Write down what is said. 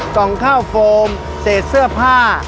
กล่องข้าวโฟมเศษเสื้อผ้า